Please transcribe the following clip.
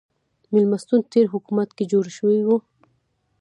مېلمستون تېر حکومت کې جوړ شوی و.